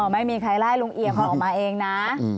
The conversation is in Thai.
ไม่มีใครไล่ลุงเอียเขาออกมาเองนะ